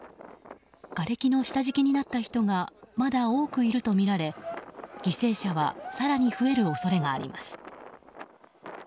がれきの下敷きになった人がまだ多くいるとみられ犠牲者は更に増える恐れがあります。